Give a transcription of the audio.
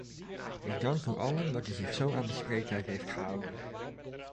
Ik dank u allen dat u zich zo aan de spreektijd heeft gehouden.